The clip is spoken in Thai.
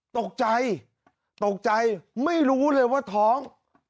ตกใจตกใจไม่รู้เลยว่าท้อง